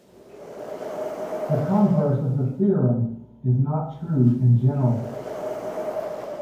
The converse of the theorem is not true in general.